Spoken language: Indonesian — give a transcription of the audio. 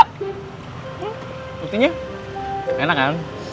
berarti nya enak kan